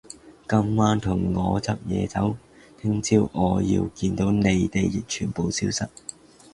今晚同我執嘢走，聽朝我要見到你哋全部消失